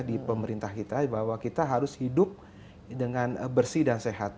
di pemerintah kita bahwa kita harus hidup dengan bersih dan sehat